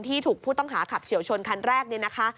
ที่ถูกผู้ต้องการขับเฉียวชนคันแรก